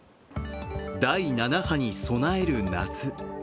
第７波に備える夏。